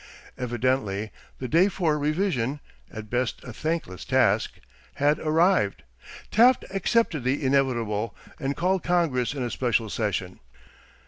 Evidently the day for revision at best a thankless task had arrived. Taft accepted the inevitable and called Congress in a special session.